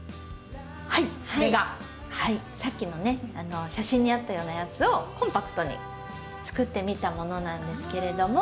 はいこれがさっきのね写真にあったようなやつをコンパクトに作ってみたものなんですけれども。